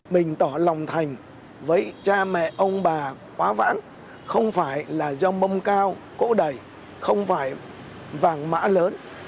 mình tỏ lòng thành với cha mẹ ông bà quá vãn không phải là do mông cao cỗ đẩy không phải vàng mã lớn